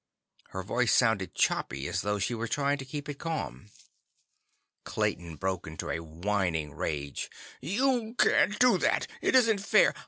Her voice sounded choppy, as though she were trying to keep it calm. Clayton broke into a whining rage. "You can't do that! It isn't fair!